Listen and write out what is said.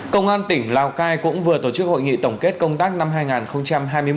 công an tỉnh lào cai cũng vừa tổ chức hội nghị tổng kết công tác năm hai nghìn hai mươi ba